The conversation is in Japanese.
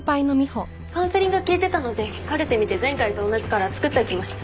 カウンセリング聞いてたのでカルテ見て前回と同じカラー作っておきました。